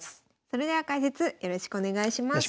それでは解説よろしくお願いします。